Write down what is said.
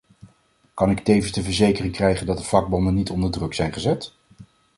Kan ik tevens de verzekering krijgen dat de vakbonden niet onder druk zijn gezet?